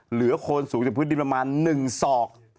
เหลือขนสูงจนพื้นดีประมาณ๑สอก